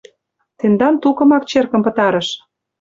— Тендан тукымак черкым пытарыш.